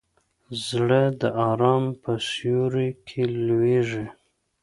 زړه د ارام په سیوري کې لویېږي.